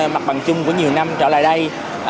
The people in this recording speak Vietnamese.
mặt bằng chung của nhiều năm trở lại đây